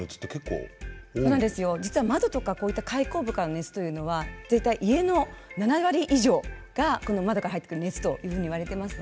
窓や開口部からは家の７割以上が窓から入ってくる熱といわれています。